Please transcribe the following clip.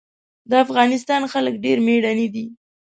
د افغانستان خلک ډېر مېړني دي.